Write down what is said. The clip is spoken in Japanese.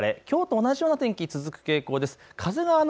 きょうと同じような天気が続く傾向です。